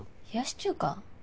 冷やし中華？